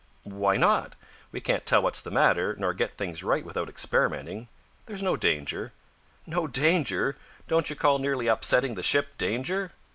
"Why not? We can't tell what's the matter, nor get things right without experimenting. There's no danger." "No danger! Don't you call nearly upsetting the ship danger?"